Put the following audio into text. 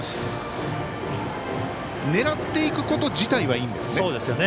狙っていくこと自体はいいんですね。